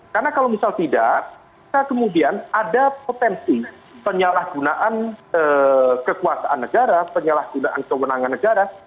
karena kalau misal tidak kemudian ada potensi penyalahgunaan kekuasaan negara penyalahgunaan kewenangan negara